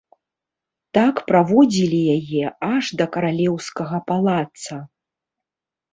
Так праводзілі яе аж да каралеўскага палаца.